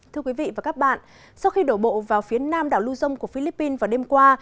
thưa quý vị và các bạn sau khi đổ bộ vào phía nam đảo luzon của philippines vào đêm qua